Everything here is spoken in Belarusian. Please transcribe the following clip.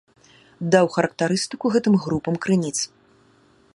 Даў характарыстыку гэтым групам крыніц.